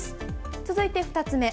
続いて２つ目。